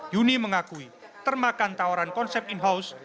yuni mengakui termakan tawaran konsep in house